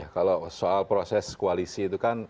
kalau soal proses koalisi itu kan